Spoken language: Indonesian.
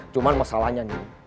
cuma masalahnya nih